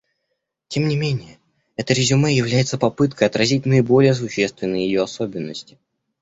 Тем не менее это резюме является попыткой отразить наиболее существенные ее особенности.